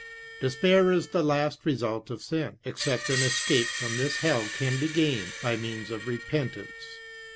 Despair is the last result of sin, except an escape from this hell can be gained by means of repentance.